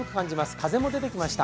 風も出てきました。